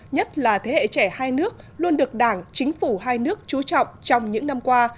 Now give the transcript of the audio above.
nhất là thế hệ trẻ hai nước luôn được đảng chính phủ hai nước chú trọng trong những năm qua